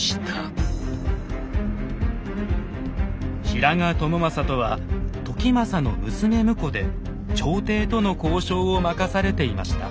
平賀朝雅とは時政の娘婿で朝廷との交渉を任されていました。